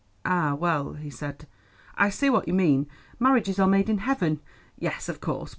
"Ah, well," he said, "I see what you mean; marriages are made in heaven; yes, of course.